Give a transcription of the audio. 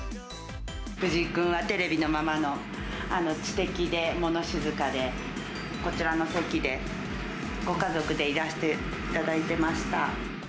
藤井君はテレビのままの、知的でもの静かで、こちらの席でご家族でいらしていただいてました。